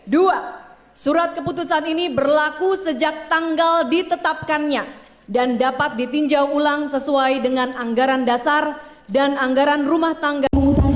dua surat keputusan ini berlaku sejak tanggal ditetapkannya dan dapat ditinjau ulang sesuai dengan anggaran dasar dan anggaran rumah tangga